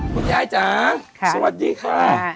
คุณยายจ๋าสวัสดีค่ะ